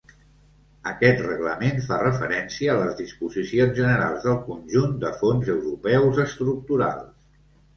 Aquest Reglament fa referència a les disposicions generals del conjunt de fons europeus estructurals.